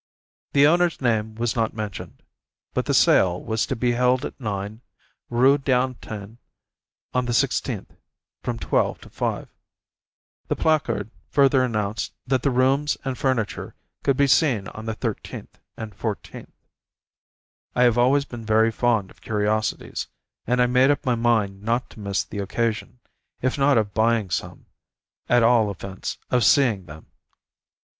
The owner's name was not mentioned, but the sale was to be held at 9, Rue d'Antin, on the 16th, from 12 to 5. The placard further announced that the rooms and furniture could be seen on the 13th and 14th. I have always been very fond of curiosities, and I made up my mind not to miss the occasion, if not of buying some, at all events of seeing them.